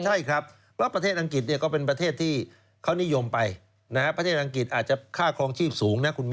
ใช่ครับเพราะประเทศอังกฤษเนี่ยก็เป็นประเทศที่เขานิยมไปประเทศอังกฤษอาจจะค่าครองชีพสูงนะคุณมิ